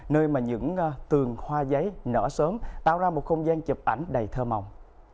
nơi mà những tường hoa giấy nở sớm tạo ra một không gian chụp ảnh đầy thơ mộng